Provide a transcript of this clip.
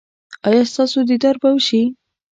ایا ستاسو دیدار به وشي؟